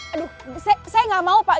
aduh saya nggak mau pak